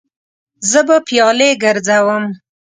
زه به پیالې ګرځوم.